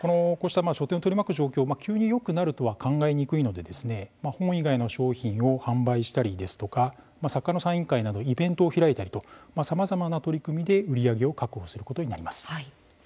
書店を取り巻く状況が急によくなるとは考えにくいので本以外の商品を販売したり作家のサイン会などイベントを開いたりとさまざまな取り組みで売り上げを確保することになります。